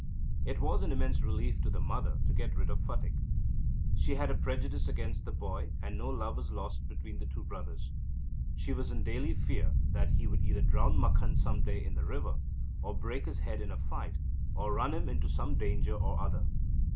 It was an immense relief to the mother to get rid of Phatik. She had a prejudice against the boy, and no love was lost between the two brothers. She was in daily fear that he would either drown Makhan some day in the river, or break his head in a fight, or run him into some danger or other.